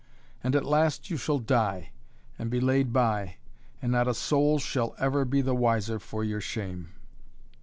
And at last you shall die and be laid by and not a soul shall ever be the wiser for your shame."